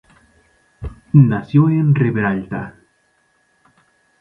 Nació en Riberalta.